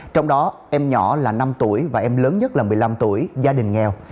trong đó em nhỏ là năm tuổi và em lớn nhất là một mươi năm tuổi gia đình nghèo